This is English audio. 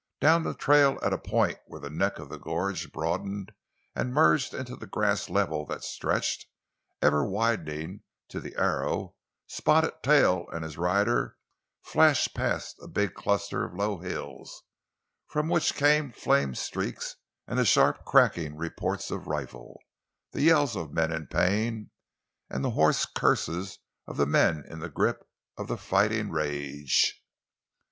Down the trail at a point where the neck of the gorge broadened and merged into the grass level that stretched, ever widening, to the Arrow, Spotted Tail and his rider flashed past a big cluster of low hills from which came flame streaks and the sharp, cracking reports of rifles, the yells of men in pain, and the hoarse curses of men in the grip of the fighting rage.